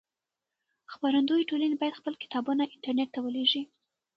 خپرندويې ټولنې بايد خپل کتابونه انټرنټ ته ولېږي.